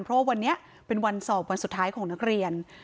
เพราะว่าวันนี้เป็นวันสอบวันสุดท้ายของนักเรียน